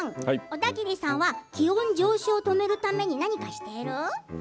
オダギリさんは気温上昇を止めるために何かしてる？